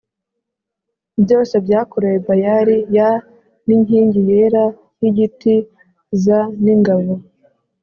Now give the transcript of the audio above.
byose byakorewe Bayali y n inkingi yera y igiti z n ingabo